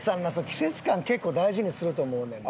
季節感結構大事にすると思うねんな